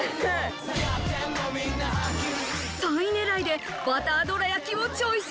３位ねらいでバターどらやきをチョイス。